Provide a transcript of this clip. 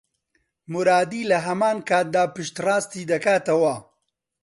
مورادی لە هەمان کاتدا پشتڕاستی دەکاتەوە